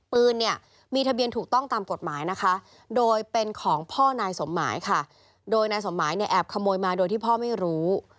ปืนเนี่ยมีทะเบียนถูกต้องตามกฎหมายนะคะโดยเป็นของพ่อนายสมหมายค่ะโดยนายสมหมายเนี่ยแอบขโมยมาโดยที่พ่อไม่รู้